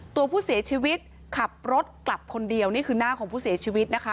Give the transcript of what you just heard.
ตัวผู้เสียชีวิตขับรถกลับคนเดียวนี่คือหน้าของผู้เสียชีวิตนะคะ